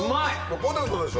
ポテトでしょ。